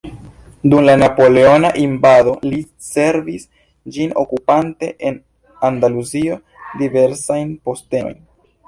Dum la napoleona invado li servis ĝin okupante en Andaluzio diversajn postenojn.